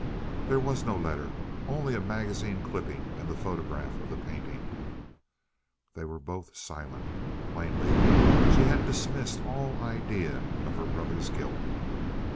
"There was no letter. Only a magazine clipping and the photograph of the painting." They were both silent. Plainly she had dismissed all idea of her brother's guilt.